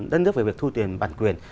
đơn giới về việc thu tiền bản quyền